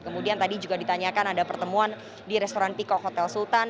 kemudian tadi juga ditanyakan ada pertemuan di restoran piko hotel sultan